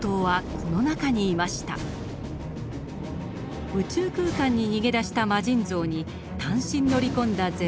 宇宙空間に逃げ出した魔神像に単身乗り込んだ００９。